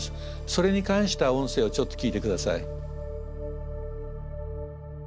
それに関した音声をちょっと聞いて下さい。